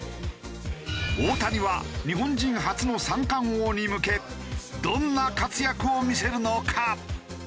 大谷は日本人初の三冠王に向けどんな活躍を見せるのか？